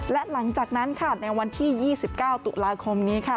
และหลังจากนั้นค่ะในวันที่๒๙ตุลาคมนี้ค่ะ